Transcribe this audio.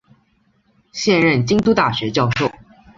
现任京都大学教授。